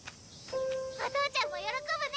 お父ちゃんも喜ぶね！